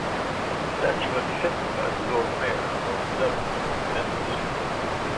The statue was defended by the Lord Mayor of Dublin Ben Briscoe.